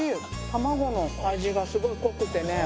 卵の味がすごい濃くてね。